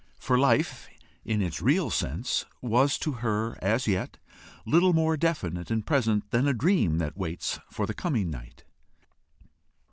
For life in its real sense was to her as yet little more definite and present than a dream that waits for the coming night.